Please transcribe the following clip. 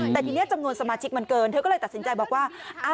แต่ทีนี้จำนวนสมาชิกมันเกินเธอก็เลยตัดสินใจบอกว่า